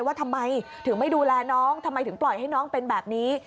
ว่าทำไมถึงไม่ดูแลน้องทำไมถึงปล่อยให้น้องเป็นแบบนี้